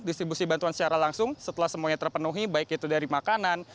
distribusi bantuan secara langsung setelah semuanya terpenuhi baik itu dari makanan